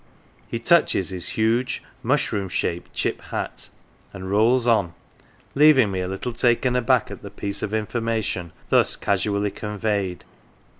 "" He touches his huge mushroom shaped chip hat, and rolls on, leaving me a little taken aback at the piece of information thus casually conveyed.